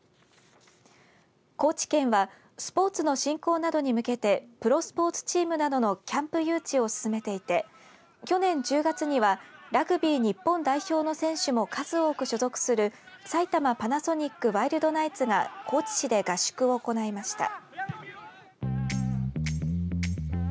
高知県はスポーツの振興などに向けてプロスポーツチームなどのキャンプ誘致を進めていて去年１０月にはラグビー日本代表の選手も数多く所属する埼玉パナソニックワイルドナイツが高知市で合宿を行いました。